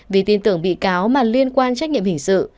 vì tin tưởng bị cáo mà liên quan trách nhiệm hình sự